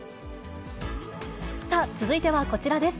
続いてはこちらです。